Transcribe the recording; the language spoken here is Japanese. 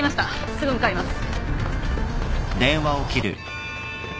すぐ向かいます。